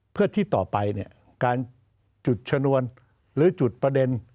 เพื่อที่ต่อไปเนี่ยการจุดชนวนหรือจุดประเด็น